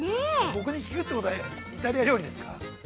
◆僕に聞くってことはイタリア料理ですか？